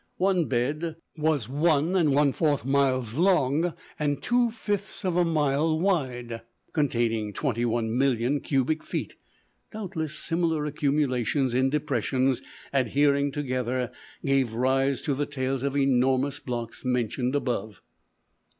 One bed was one and one fourth miles long and two fifths of a mile wide, containing twenty one million cubic feet. Doubtless similar accumulations in depressions, adhering together, gave rise to the tales of enormous blocks mentioned above.